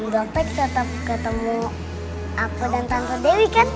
om dokter tetap ketemu aku dan tante dewi kan